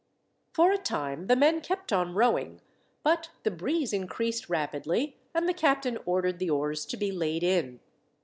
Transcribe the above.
For a time the men kept on rowing, but the breeze increased rapidly, and the captain ordered the oars to be laid in.